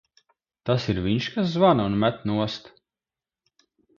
Tas ir viņš, kas zvana un met nost?